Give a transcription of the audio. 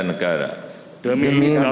hingga mencipta hidup kita